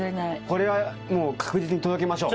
これはもう確実に届けましょう。